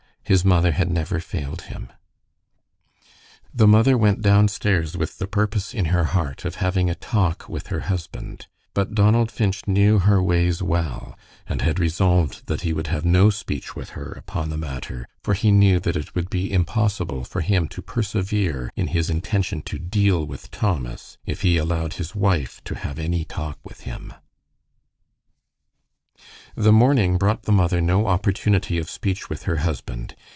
His mother had never failed him. The mother went downstairs with the purpose in her heart of having a talk with her husband, but Donald Finch knew her ways well, and had resolved that he would have no speech with her upon the matter, for he knew that it would be impossible for him to persevere in his intention to "deal with" Thomas, if he allowed his wife to have any talk with him. The morning brought the mother no opportunity of speech with her husband.